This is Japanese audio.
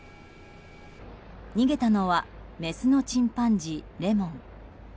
逃げたのはメスのチンパンジーレモン。